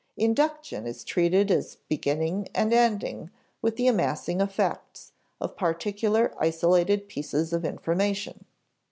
Induction is treated as beginning and ending with the amassing of facts, of particular isolated pieces of information.